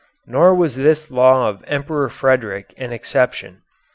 Nor was this law of the Emperor Frederick an exception.